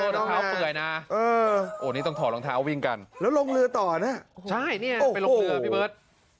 นะครับนี่ต้องถอดลงท้าวิ่งกันแล้วลงเนื้อต่อนะใช่นี่เลยลงเนื้อพี่เบิด